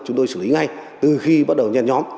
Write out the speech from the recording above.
chúng tôi xử lý ngay từ khi bắt đầu nhen nhóm